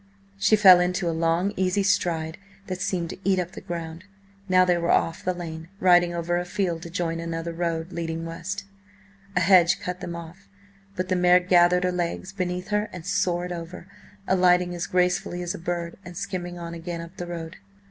She fell into a long, easy stride that seemed to eat up the ground. Now they were off the lane, riding over a field to join another road, leading west. A hedge cut them off, but the mare gathered her legs beneath her and soared over, alighting as gracefully as a bird, and skimming on again up the road.